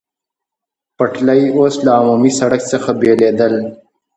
پټلۍ اوس له عمومي سړک څخه بېلېدل.